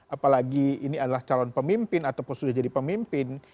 apalagi ini adalah calon pemimpin ataupun sudah jadi pemimpin